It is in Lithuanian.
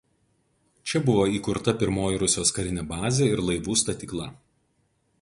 Čia buvo įkurta pirmoji Rusijos karinė bazė ir laivų statykla.